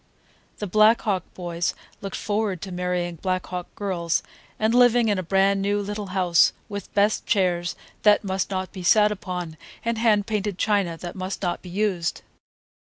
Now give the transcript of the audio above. The Black Hawk boys looked forward to marrying Black Hawk girls, and living in a brand new little house with best chairs that must not be sat upon, and hand painted china that must not be used.